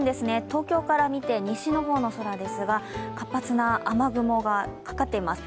東京から見て西の方の空ですが活発な雨雲がかかっています。